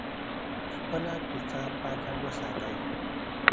خپله کوڅه پاکه وساتئ.